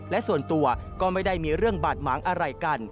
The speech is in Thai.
และส่วนตัวก็ไม่ได้มีเรื่องบาดหมางอะไรกัน